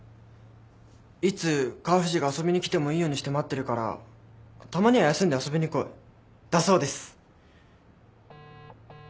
「いつ川藤が遊びに来てもいいようにして待ってるからたまには休んで遊びに来い」だそうです。